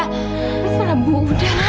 bisa lah bu udah